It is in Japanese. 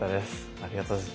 ありがとうございます。